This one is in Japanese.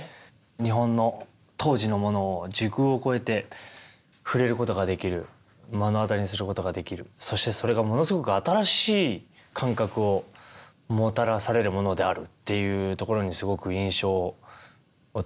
日本の当時のものを時空を超えて触れることができる目の当たりにすることができるそしてそれがものすごく新しい感覚をもたらされるものであるっていうところにすごく印象を強く受けた記憶があります。